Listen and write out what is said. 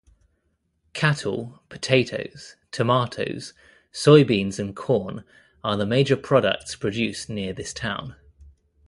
Cattle, potatoes, tomatoes, soybeans and corn are the major products produced near this town.